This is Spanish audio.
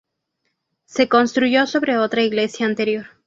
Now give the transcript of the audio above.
Se construyó sobre otra iglesia anterior.